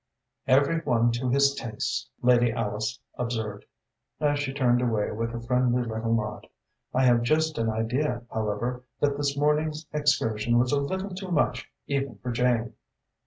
"Every one to his tastes," Lady Alice observed, as she turned away with a friendly little nod. "I have just an idea, however, that this morning's excursion was a little too much even for Jane."